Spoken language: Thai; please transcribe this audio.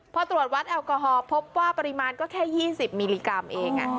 พอตรวจวัดแอลกอฮอลพบว่าปริมาณก็แค่๒๐มิลลิกรัมเอง